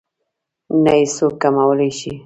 نه يې څوک کمولی شي.